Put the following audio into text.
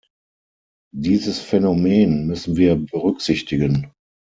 Dieses Phänomen müssen wir berücksichtigen.